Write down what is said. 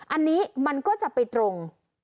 อันนี้มันก็จะไปตรง